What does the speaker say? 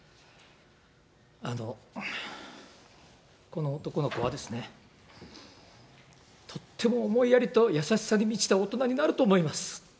この男の子は、とっても思いやりと優しさに満ちた大人になると思います。